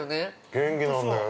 ◆元気なんだよね。